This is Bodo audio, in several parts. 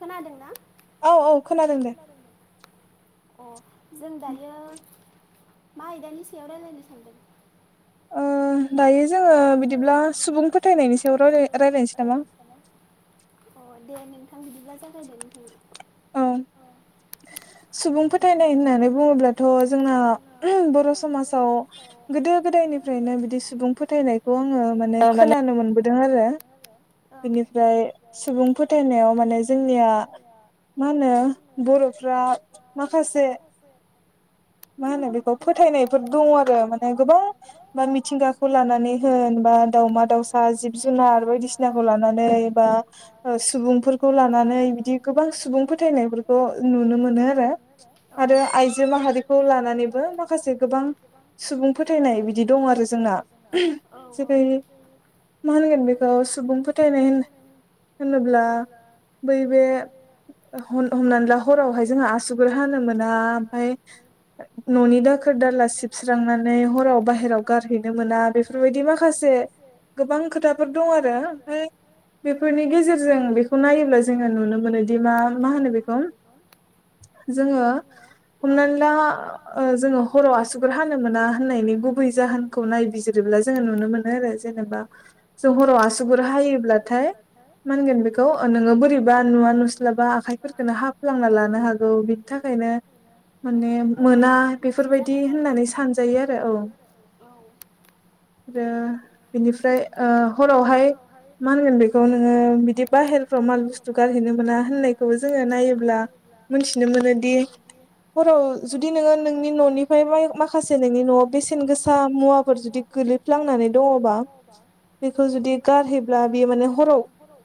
खोनादों ना? औ औ खोनादों दे अ जों दायो [unintelligible] मा आइदानि सेवराय लायनानै सनदों? ओ दायो जोङो बिदिब्ला सुबुं फोथायनायनि सायाव रायलाय रायलायनोसै नामा अ दे नोंथां बिदिब्ला जागायदो नोंथां अ सुबुं फोथायनाय होननानै बुङोब्लाथ' जोंना बर' समाजाव गोदो गोदाय निफ्रायनो बिदि सुबुं फोथायनायखौ आङो माने खोनानो मोनबोदों आरो बेनिफ्राय सुबुं फोथायनायाव माने जोंनिया मा होनो बर'फ्रा माखासे मा होनो बेखौ फोथायनायफोर दङ आरो माने गोबां मा मिथिंगाखौ लानानै होन बा दावमा दावसा जिब जुनार बायदिसिनाखौ लानानै बा ओ सु सुबुंफोरखौ लानानै बिदि गोबां सुबुं फोथायनायफोरखौ नुनो मोनो आरो आरो आइजो माहारिखौ लानानैबो माखासे गोबां सुबुं फोथायनाय बिदि दं आरो जोंना औ औ मा होनगोन बेखौ सुबुं फोथायनाय होन होनोब्ला बैबे हन हमनानै ला हरावहाय जोंहा आसुग्र हानो मोना ओमफय न'नि दाखोर दाला सिबस्रांनानै हराव बाहेराव गारहैनो मोना बेफोरबायदि माखासे गोबां खोथाफोर दं आरो ओमफ्राय बेफोरनि गेजेरजों बेखौ नायोब्ला जोंङो नुनो मोनोदि मा मा होनो बेखौ जोंङो हमनानै ला ओ जोंङो हराव आसुगुर हानो मोना होननायनि गुबै जाहोनखौ नायबिजिरबो दा जों नुनो मोनो आरो जेनेबा जों हराव आसुगुर हायोब्लाथाय मा होनगोन बेखौ खौ नोङो बोरैबा नुवा नुस्लाबा आखाइफोरखौनो हाफ्लांना लानो हागौ बिनि थाखायनो माने मोना बेफोरबायदि होननानै सानजायो आरो औ आरो बिनिफ्राय ओ हरावहाय मा होनगोन बेखौ नोंङो बिदि बाहेरफ्राव माल बुस्थु गारहैनो मोना होननायखौबो जोंङो नायोब्ला मोनथिनो मोनोदि हराव जुदि नोंङो नोंनि न'निफ्राय माखासे नोंनि न'आव बेसेन गोसा मुवाफोर जुदि गोर लैफ्लांनानै दङोब्ला बेखौ जुदि गारहैब्ला बे माने हराव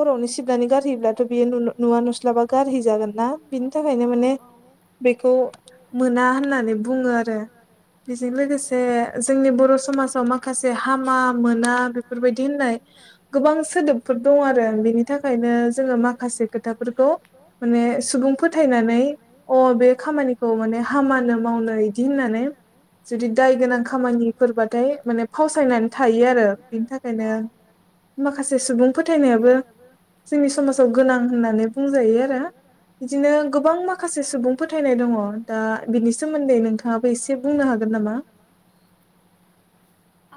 हरावनो सिब नानै गारहैब्लाथ' बियो नुवा नुस्लाबा गारहै जागोन ना बिनि थाखायनो माने बेखौ मोना होननानै बुङो आरो बेजों लोगोसे जोंनि बर' समाजाव माखासे हामा मोना बेफोरबायदि होननाय गोबां सोदोबफोर दं आरो बेनि थाखायनो जोंङो माखासे खोथाफोरखौ माने सुबुं फोथायनानै अ बे खामानिखौ माने हामानो मावनो बिदि होननानै जुदि दाय गोनां खामानिफोरबाथाय माने फावसायनानै थायो आरो बिनि थाखायनो माखासे सुबुं फोथायनायाबो जोंनि समाजाव गोनां होननानै बुंजायो आरो। बिदिनो गोबां माखासे सुबुं फोथायनाय दङ दा बिनि सोमोन्दै नोंथाङाबो एसे बुंनो हागोन नामा? [inaudible]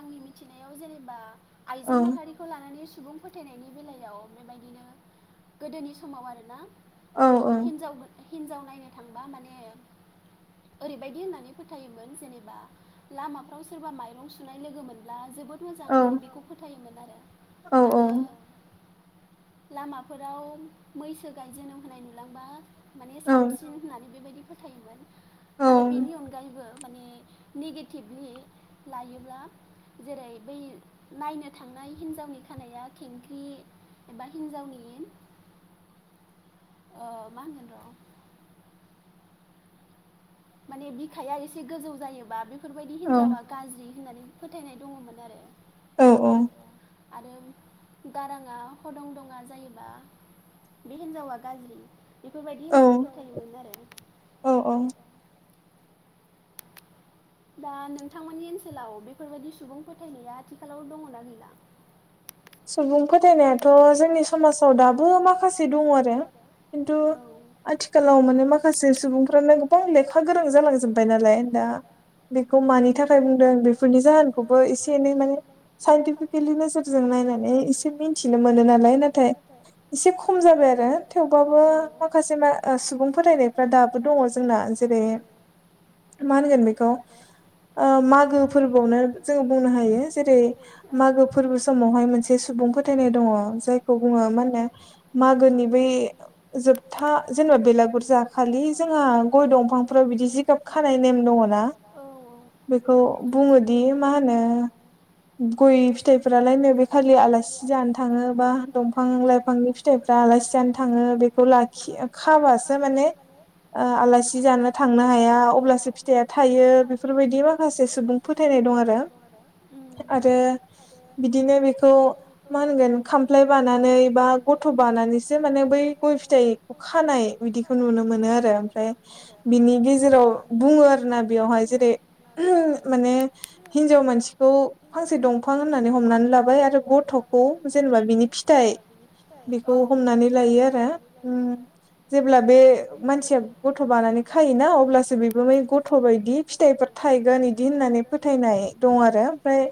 आंनि मिथिनायाव जेनेबा आइजो माहारिखौ लानानै सुबुं फोथायनायनि बेलायाव बेबायदिनो गोदोनि समाव आरोना हिनजाव हिनजाव नायनो थांबा माने ओरैबायदि होननानै फोथायोमोन जेनेबा लामाफ्राव सोरबा माइरं सुनाय लोगो मोनब्ला जोबोद मोजां होननानै बेखौ फोथायोमोन आरो। आरो लामाफोराव मैसो गाय जोनोम होनाय नुलांबा माने साबसिन होननानै बेबायदि फोथायोमोन आरो बेनि अनगायैबो माने नेगेटिभलि लायोब्ला जेरै बै नायनो थांनाय हिन्जावनि खानाया खेंख्रि एबा हिनजावनि ओ मा होनगोन र' माने बिखाया एसे गोजौ जायोबा बेफोरबायदि हिनजावा गाज्रि होननानै फोथायनाय दङमोन। औ औ। आरो गाराङा हदं दङा जायोबा बे हिनजावा गाज्रि बेफोरबायदि होननानै फोथायोमोन आरो दा नोंथांमोननि ओनसोलाव बेफोरबायदि सुबुं फोथायनाया आथिखालाव दङना गैला। सुबुं फोथायनायाथ' जोंनि समाजाव दाबो माखासे दङ आरो खिन्थु आथिखालाव माने माखासे सुबुंफ्रानो गोबां लेखा गोरों जालांजोबबाय नालाय दा [unintelligible] बेखौ मानि थाखाय बुंदों बिफोरनि जाहोनखौबो एसे एनै माने साइन्टिफिकेलि नोजोरजों नाय माने एसे मिथिनो मोनो नालाय नाथाय एसे खम जाबाय आरो थेवबाबो माखासे मा ओ सुबुं फरायनायफ्रा दाबो दङ जोंना जों बे मा होनगोन बेखौ [unintelligible] ओ मागो फोरबोआवनो जोङो बुंनो हायो जेरै मागो फोरबो समावहाय मोन से सुबुं फोथायनाय दङ जायखौ बुङो मा होनो मागोनि बै जोबथा जेनेबा बेलागुरजाखालि जोंहा गय दंफांफोराव बिदि जिगाब खानाय नेम दङ ना बेखौ बुङोदि मा होनो गय फिथाइफोरालायनो खालि आलासि जानो थाङो बा दंफां लाइफांनि फिथाइफ्रा आलासि जानो थाङो बेखौ लाखि खाबासो माने ओ आलासि जानो थांनो हाया अब्लासो फिथाइया थायो। बेफोरबायदि माखासे सुबुं फोथायनाय दं आरो आरो बिदिनो बेखौ मा होनगोन खामफ्लाय बानानै बा गथ' बानानैसो माने बै गय फिथाइ खानाय बिदिखौ नुनो मोनो आरो ओमफ्राय बिनि गेजेराव बुङो आरो ना बेवहाय जेरै माने हिनजाव मानसिखौ फांसे दंफां होननानै हमनानै ला बाय आरो गथ'खौ जेनेबा बिनि फिथाइ बिखौ हमनानै लायो आरो। जेब्ला बे मानसिया गथ' बानानै खायोना अब्लासो बिबो बि गथ' बिदि फिथाइफोर थायगोन आदि होननानै फोथायनाय दं आरो ओमफाय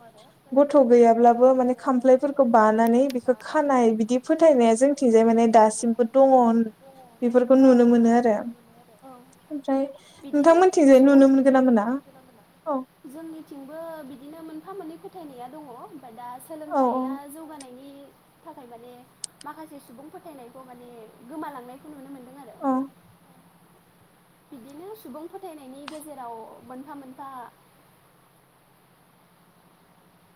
गथ' गैया ब्लाबो माने खामफ्लायफोरखौ बानानै बिखो खानाय बिदि फोथायनाया जोंथिंजाय माने दासिमबो दङ होन बिफोरखो नुनो मोनो आरो ओमफ्राय नोंथांमोनथिंजाय नुनो मोन जोंनिथिंबो बिदिनो मोनफा मोननै फोथायनाया दङ। बा दा सोलोंथाइया जौगानायनि थाखाय माने माखासे सुबुं फोथायनायखौ माने गोमालांनायखौ नुनो मोनदों। बिदिनो सुबुं फोथायनायनि गेजेराव मोनफा मोनफा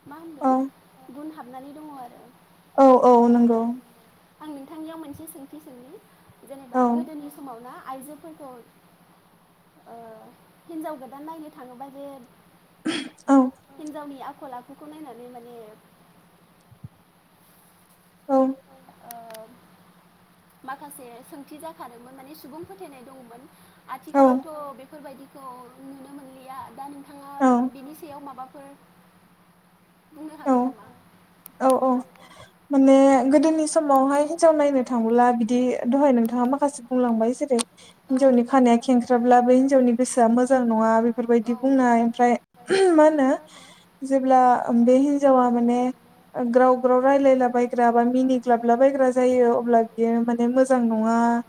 मा होनगोन गुन हाबनानै दङ आरो। औ औ नोंगौ। आं नोंथांनियाव मोनसे सोंथि सोंनि जेनेबा गोदोनि समाव ना आइजोफोरखौ ओ हिन्जाव गोदान नायनो थाङोबा जे हिनजावनि आखल आखुखौ नायनानै माने औ। माखासे सोंथि जाखादोंमोन माने सुबुं फोथायनाय दङमोन आथिखालावथ' बेफोरबायदि खौ नुनो मोनलिया दा नोंथाङा बिनि सायाव माबाफोर बुंनो हागोन नामा। औ औ। माने गोदोनि समावहाय हिनजाव नायनो थांब्ला बिदि दहाय नोंथाङा माखासे बुंलांबायसै जेरै हिन्जावनि खानाया खेंख्राब्लाबो हिन्जावनि गोसोआ मोजां नङा बेफोरबायदि बुंनाय ओमफ्राय मा होनो जेब्ला बे हिन्जावा माने ग्राव ग्राव रायलायला बायग्रा बा मिनि ग्लाबला बायग्रा जायो अब्ला बियो माने मोजां नङा अह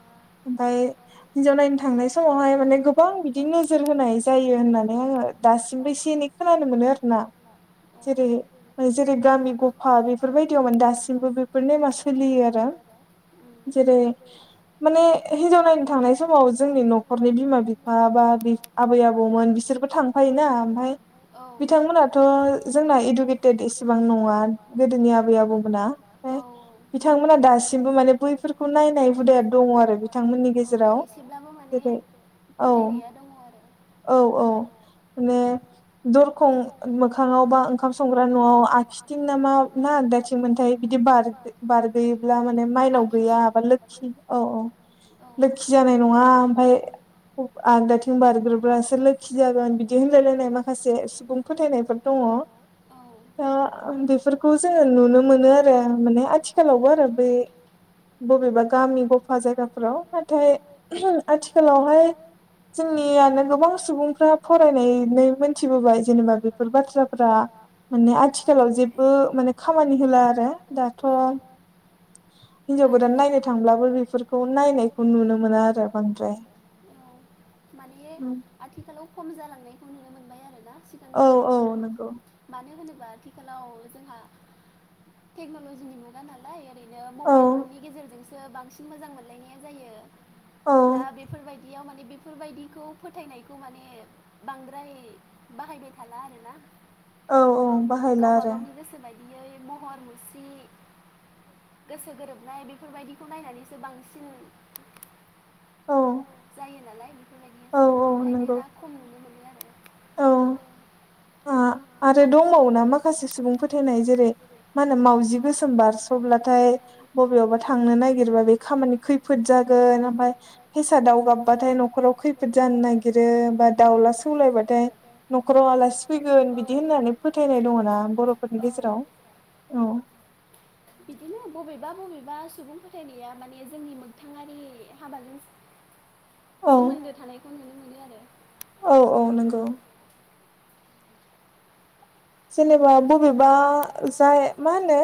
ओमफाय हिनजाव नायनो थांनाय समावहाय माने गोबां बिदि नोजोर होनाय जायो होननानै आङो दासिमबो एसे एनै खोनानो मोनो आरो ना जेरै जेरै गामि आफा बेफोरबायदियावमोन दासिमबो बेफोर नेमा सोलियो आरो जेरै माने हिनजाव नायनो थांनाय समाव जोंनि न'खरनि बिमा बिफा बा आबै आबौमोन बिस बिसोरबो थांफायोना ओमफाय बिथांमोनाथ' जोंना इडुकेटेद इसेबां नङा गोदोनि आबै आबौमोना हो बिथांमोना दासिमबो माने बैफोरखौ नायनाय हुदाया दङ आरो बिथांमोननि गेजेराव जेरै औ औ औ माने दरखं मोखां मोखाङावबा ओंखाम संग्रा न'आव आखिं नामा ना आ दाथिंमोनथाय बिदि बार बारगयोब्ला माने माइनाव गैया बा लोखि औ औ लोखि जानाय नङा ओमफाय आगदाथिं बारग्रोब्ला सोरो लोखि जागोन बिदि होनलाय लोंनाय माखासे सुबुं फोथायनायफोर द' ओ बेफोरखौ जोङो नुनो मोनो आरो माने आथिखालावबो आरो बे बबेबा गामि गफा जायगाफोराव नाथाय आथिखालावहाय जोंनियानो गोबां सुबुंफ्रा फरायनानै मोनथिबोबाय जेनेबा बेफोर बाथ्राफोरा माने आथि जेबो माने खामानि होला आरो दाथ' [inaudible] माने आथिखालाव खम जालांनायखौ नुनो मोनबाय आरोोना सिगां औ औ नंगौ आथिखालाव जोंहा टेक्नलजिनि मुगा नालाय ओरैनो मबाइल फननि गेजेरजोंसो बांसिन मोजां मोनलायनाया जायो दा बेफोरबायदियाव माने बेफोरबायदिखौ फोथायनायखौ माने बांद्राय बाहायबाय थाला आरोना औ औ बाहायला आरो बेयै महर मुसि गोसो गोरोबनाय बेफोरबायदिखौ नायनानैसो बांसिन जायो नालाय बेफोरबायदिसो ओंखायनो दा खम नुनो मोनो औ आरो दंबाव ना माखासे सुबुं फोथायनाय जेरै मा होनो मावजि गोसोम बारसब्लाथाय बबेयावबा थांनो नागिरबा बे खामानि खैफोद जागोन ओमफ्राय फैसा दाव गाबबाथाय न'खराव खैफोद जानो नागिरो बा दावला सौलायबाथाय न'खराव आलासि फैगोन बिदि होननानै फोथायनाय दङ ना बर'फोरनि गेजेराव बिदिनो बबेबा बबेबा सुबुं फोथायनाया माने जोंनि मोगथाङारि हाबाजों सोमोन्दो थानायखौ मोनो औ औ नंगौ जेनेबा बबेबा जाय मा होनो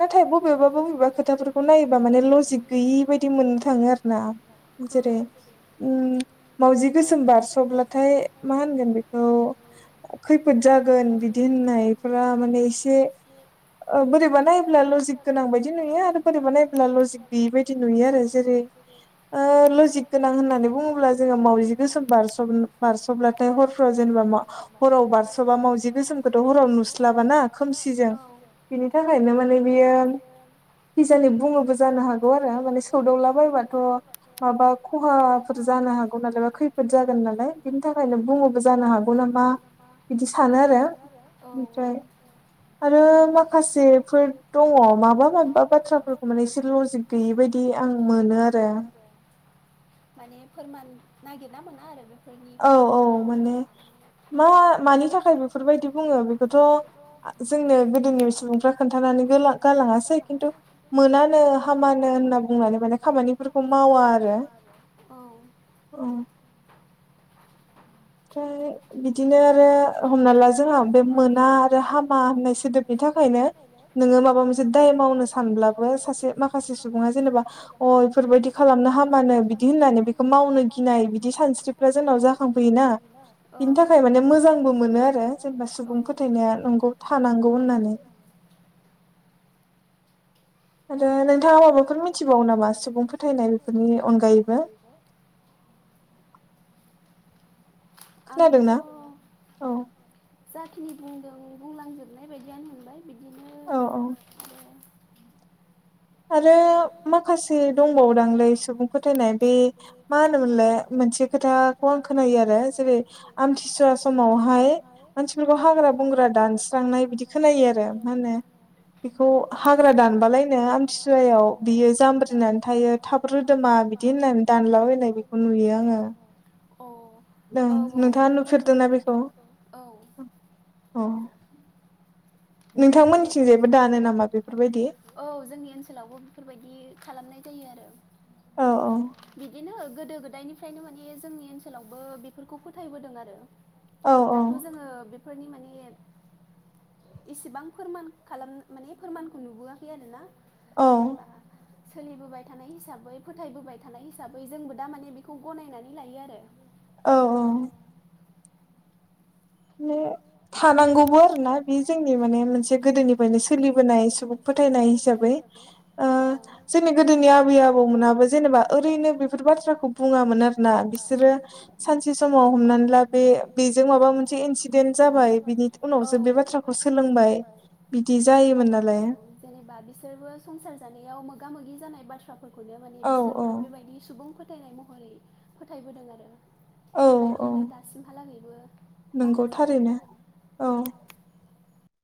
नाथाय बबेबा बबेबा खोथाफोरखौ नायोबा ग मोन थ ज सौ बारस'योब्लाथाय मा होनगोन बेखौ खैफोद जागोन बिदि हो नायफोरा माने एसे बोरैबा नायोब्ला लजिक गोनां बायदि नुयो आरो बोरैबा नायोब्ला लजिक गैयि बायदि नुयो आरो जेरै ओ लजिक गोनां होननानै बुङोब्ला जोङो मावजि गोसोम बारस बारसब्लाथाय हरफ्राव जों लामा हराव बारसबा मावजि गोसोम खौथ हराव नुस्लाबाना खोमसिजों बिनि थाखायनो माने बियो खिजानि बुङोबो जानो हागौ आरो माने सौदावलाबायबाथ माबा खहाफोर जानो हागौ नालाय बा खैफोद जागोन नालाय बिनि थाखायनो बुङोबो जानो हागौ नामा मख बिदि सानो आरो ओमफ्राय आरो माखासेफोर दङ माबा माबा बाथ्राफोरखौ माने एसे लजिक गैयि बाय बिदि आं मोनो आरो। माने फोरमान नागिरना मोना आरो। औ औ माने मा मानि थाखाय बेफोरबायदि बुङो बेखौथ' जोंनो गोदोनि सुबुंफ्रा खोन्थानानै गोला गालाङासै खिन्थु मोनानो हामानो होनना बुंनानै माने खामानिफोरखौ मावा आरो। औ। ओ। के बिदिनो आरो हमना ला जोंहा बे मोना आरो हामा होननाय सोदोबनि थाखायनो नोङो माबा मोनसे दाय मावनो सानब्लाबो सासे माखासे सुबुङा जेनेबा अ इफोरबायदि खालामना हामानो बिदि होननानै बेखौ मावनो गिनाय बिदि सानस्रिफ्रा जोंनाव जाखांफैयोना। औ औ मोजां मोनो आरो जेनेबा सुबुं फोथायनाया नंगौ थानांगौ होननानै [inaudible] आरो नोंथाङा माबाफोर मिथिबावो नामा सुबुं फोथायनाय बेफोरनि अनगायैबो [inaudible] आङोथ जा खिनि बुंदों बुंलांजोबनाय बायदियानो होनबाय बिदि औ औ आरो माखासे दंबावोदांलै सुबुं फोथायनाय बे मा होनोमोनलाय मोनसे खोथाखौ आं खोनायो आरो जेरै आमथिसुवा समावहाय मानसिफोरखौ हाग्रा बं बंग्रा दानस्रांनाय बिदि खोनायो आरो मा होनो बेखौ हाग्रा दानबालायनो जुवायाव बियो जाम्ब्रिनानै थायो थाब रोदोमा बिदि होननानै दानलाबायनाय बेखौ नुयो आङो औ ओं नोंथाङा नुफेरदों ना बेखौ औ। औ जोंनि ओनसोलावबो बेफोरबायदि खालामनाय जायो आरो बिदिनो गोदो गोदायनिफ्रायनो माने जोंनि ओनसोलावबो बेफोरखौ फोथायबोदों आरो दाथ जोङो बेफोरनि माने इसेबां फोरमान खालाम माने फोरमानखौ नुबोआखै आरो ना औ सोलिबोबाय थानाय हिसाबै फोथायबोबाय थानाय हिसाबै जोंबो दा माने बेखौ गनायनानै लायो आरो। औ ने थानांगौबो आरोना बे जोंनि माने मोनसे गोदोनिफ्रायनो सोलिबोनाय सुबुं फोथायनाय हिसाबै ओ जोंनि गोदोनि आबै आबौमोनाबो जेनेबा ओरैनो बेफोर बाथ्राखौ बुङामोन आरोना बिसोरो सानसे समाव हमना ला बे बेजों माबा मोन मोनसे इनसिडेन्ट जाबाय बिनि उनावसो बे बाथ्राखौ सोलोंबाय जायोमोन औ जेनेबा बिसोरबो संसार जानायाव मोगा मोगा मोगि जानाय बाथ्राफोरखौनो माने बिसोरबो बेबायदि सुबुं फोथायनाय महरै फोथायबोदों आरो बेबायदियैनो दासिमहालागै नंगौ थारैनो औ